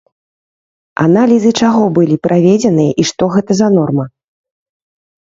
Аналізы чаго былі праведзеныя і што гэта за норма?